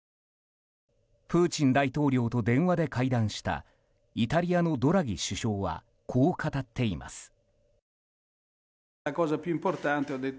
プーチン大統領と電話で会談したイタリアのドラギ首相はこう語っています。